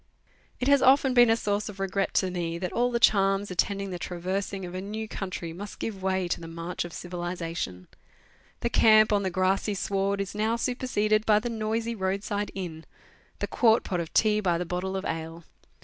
It has often been a source of regret to me that all the charms attending the traversing of a new country must give way to the march of civilization; the camp on the grassy sward is now superseded by the noisy road side inn; the quart pot of tea by the bottle of ale.